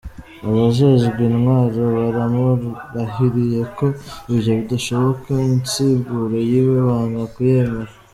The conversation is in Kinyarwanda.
Abajejwe intwaro baramurahiriye ko ivyo bidashoboka, insiguro yiwe banka kuyemera.